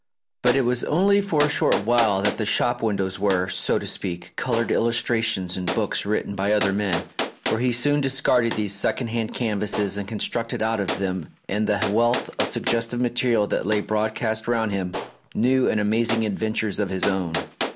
But it was only for a short while that the shop windows were, so to speak, coloured illustrations in books written by other men, for he soon discarded these second hand canvases, and constructed out of them and the wealth of suggestive material that lay broadcast round him new and amazing adventures of his own.